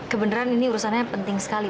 kebenaran ini urusannya penting sekali